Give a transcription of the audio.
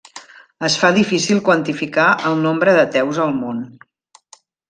Es fa difícil quantificar el nombre d'ateus al món.